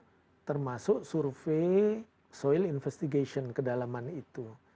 nah termasuk survei soil investigation kedalaman itu